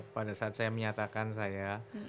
pada saat saya menyatakan saya